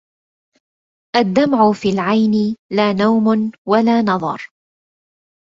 الدمع في العين لا نوم ولا نظر